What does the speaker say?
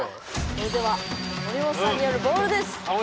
それでは森本さんによる「ボール」です！